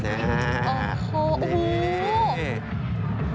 โอ้โหโอ้โห